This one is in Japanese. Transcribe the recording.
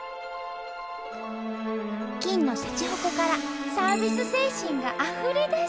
金のしゃちほこからサービス精神があふれ出す！